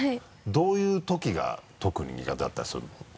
どういうときが特に苦手だったりするの？